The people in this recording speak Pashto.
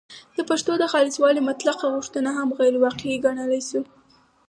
د پښتو د خالصوالي مطلقه غوښتنه هم غیرواقعي ګڼلای شو